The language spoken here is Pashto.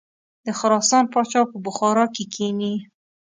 د خراسان پاچا په بخارا کې کښیني.